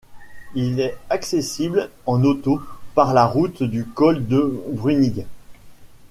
Il est accessible en auto par la route du col du Brünig.